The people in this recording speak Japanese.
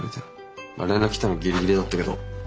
まあ連絡来たのギリギリだったけど。